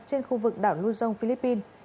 trên khu vực đảo lujong philippines